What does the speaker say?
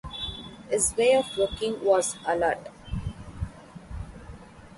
His way of looking was alert.